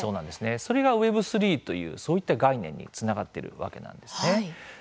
それがＷｅｂ３というそういった概念につながってるわけなんですね。